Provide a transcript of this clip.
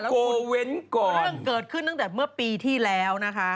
โกเว้นก่อนเรื่องเกิดขึ้นตั้งแต่เมื่อปีที่แล้วนะคะ